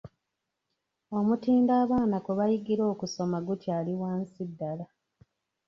Omutindo abaana kwe bayigira okusoma gukyali wansi ddala.